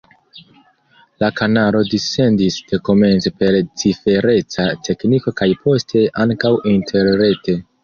La kanalo dissendis dekomence per cifereca tekniko kaj poste ankaŭ interrete.